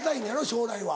将来は。